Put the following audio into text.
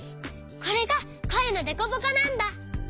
これがこえのデコボコなんだ。